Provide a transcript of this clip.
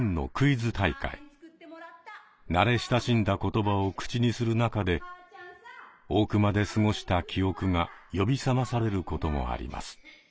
慣れ親しんだ言葉を口にする中で大熊で過ごした記憶が呼び覚まされることもあります。